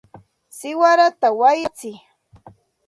¡siwarata wayratsiy!